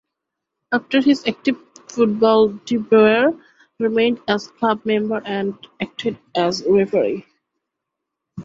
After his active football de Boer remained as club member and acted as referee.